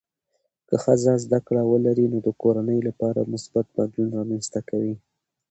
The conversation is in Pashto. که ښځه زده کړه ولري، نو د کورنۍ لپاره مثبت بدلون رامنځته کېږي.